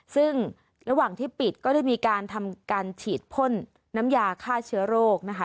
ซึ่งระหว่างที่ปิดก็ได้มีการทำการฉีดพ่นน้ำยาฆ่าเชื้อโรคนะคะ